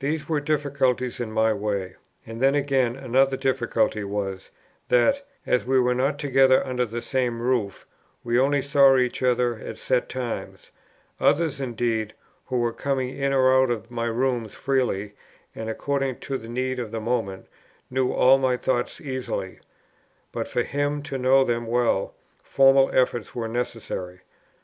These were difficulties in my way; and then again, another difficulty was, that, as we were not together under the same roof, we only saw each other at set times; others indeed, who were coming in or out of my rooms freely, and according to the need of the moment, knew all my thoughts easily; but for him to know them well, formal efforts were necessary.